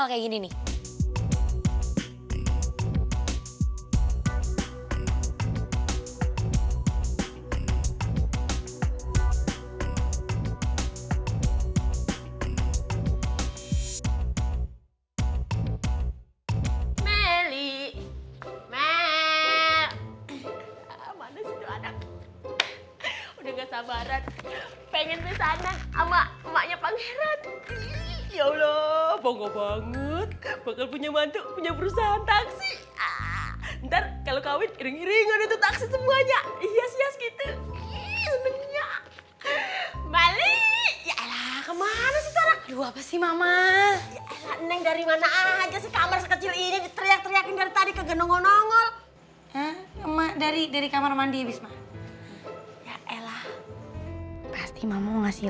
lagi dari tadi ke genong ngongol ya emak dari dari kamar mandi bisa ya ella pasti mama mau ngasih